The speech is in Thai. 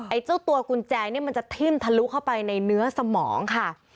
เจ้าตัวกุญแจเนี่ยมันจะทิ่มทะลุเข้าไปในเนื้อสมองค่ะ